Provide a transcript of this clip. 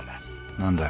何だよ？